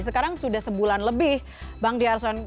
sekarang sudah sebulan lebih bang d'arson